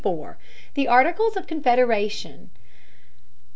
THE ARTICLES OF CONFEDERATION.